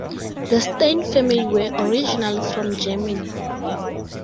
The Stein family were originally from Germany.